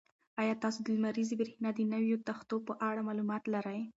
ایا تاسو د لمریزې برېښنا د نویو تختو په اړه معلومات لرئ؟